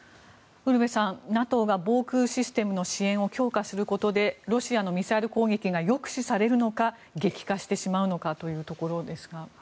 ウルヴェさん、ＮＡＴＯが防空システムの支援を強化することでロシアのミサイル攻撃が抑止されるのか激化してしまうのかというところですが。